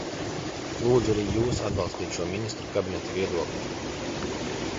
Lūdzu arī jūs atbalstīt šo Ministru kabineta viedokli.